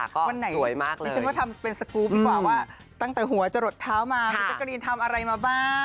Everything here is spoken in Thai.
วันไหนสวยมากเลยดิฉันว่าทำเป็นสกรูปดีกว่าว่าตั้งแต่หัวจะหลดเท้ามาคุณจักรีนทำอะไรมาบ้าง